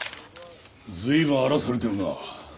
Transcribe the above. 随分荒らされてるな。